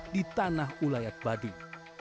di tanah ulayak baduy